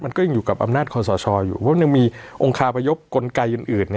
มันก็ยังอยู่กับอำนาจคอสชอยู่เพราะมันยังมีองคาพยพกลไกอื่น